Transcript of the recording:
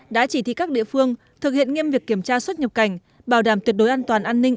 đã chỉ thị các địa phương thực hiện nghiêm việc kiểm tra xuất nhập cảnh bảo đảm tuyệt đối an toàn an ninh